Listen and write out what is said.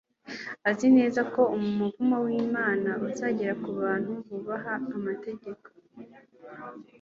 Azi neza ko umuvumo wImana uzagera ku bantu bubaha amategeko